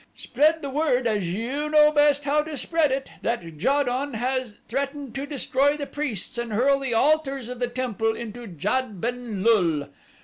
Spread the word as you know best how to spread it that Ja don has threatened to destroy the priests and hurl the altars of the temple into Jad ben lul.